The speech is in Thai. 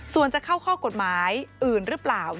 ส่วนจะเข้าข้อกฎหมายอื่นหรือเปล่า